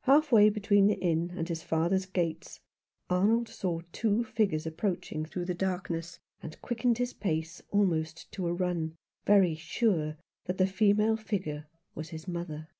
Half way between the inn and his father's gates Arnold saw two figures approaching through the darkness, and quickened his pace almost to a run, very sure that the female figure was his mother.